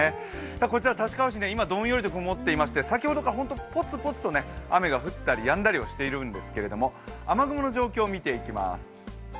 こちら立川市、今、どんよりと曇っていまして先ほどからポツポツと雨が降ったりやんだりはしているんですけれども雨雲の状況を見ていきます。